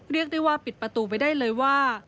เรียกได้ว่าปิดประตูไปได้เลยว่า